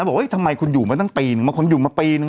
บอกว่าทำไมคุณอยู่มาตั้งปีนึงบางคนอยู่มาปีนึง